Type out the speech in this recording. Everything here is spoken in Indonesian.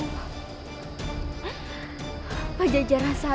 tetap mengalami kesalahan